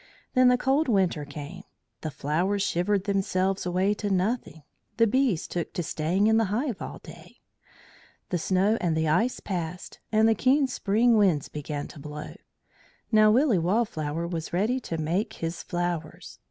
Then the cold winter came. The flowers shivered themselves away to nothing, the bees took to staying in the hive all day. The snow and ice passed, and the keen spring winds began to blow. Now Willy Wallflower was ready to make his flowers.